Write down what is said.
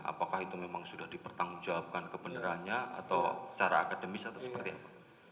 apakah itu memang sudah dipertanggungjawabkan kebenarannya atau secara akademis atau seperti apa